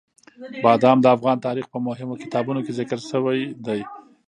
بادام د افغان تاریخ په مهمو کتابونو کې ذکر شوي دي.